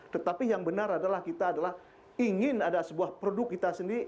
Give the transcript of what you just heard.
tetapi yang benar adalah kita adalah ingin ada sebuah produk kita sendiri